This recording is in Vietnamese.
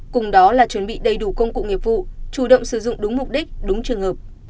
cùng đó là chuẩn bị đầy đủ công cụ nghiệp vụ chủ động sử dụng đúng mục đích đúng trường hợp